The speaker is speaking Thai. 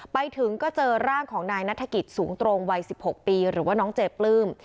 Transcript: ไปถึงก็เจอร่างของนายนัฐกิจสูงตรงวัย๑๖ปีหรือว่าน้องเจปลื้ม